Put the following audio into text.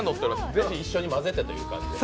ぜひ一緒に混ぜてという感じで。